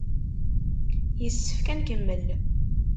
Yessefk ad nkemmel.